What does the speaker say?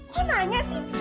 kok nanya sih